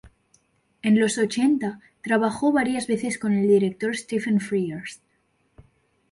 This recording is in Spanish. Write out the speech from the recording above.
En los ochenta trabajó varias veces con el director Stephen Frears.